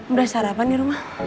udah sarapan di rumah